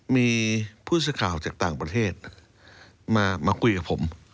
มีผู้สื่อข่าวจากต่างประเทศมาคุยกับผม